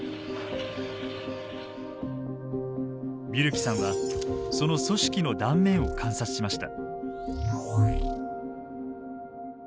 ビュルキさんはその組織の断面を観察しました。